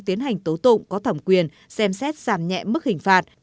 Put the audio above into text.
tiến hành tố tụng có thẩm quyền xem xét giảm nhẹ mức hình phạt